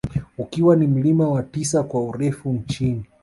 Ukiwa ni mlima wa tisa kwa urefu nchini